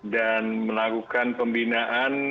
dan melakukan pembinaan